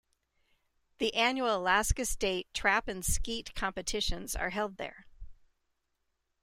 The annual Alaska State Trap and Skeet competitions are held there.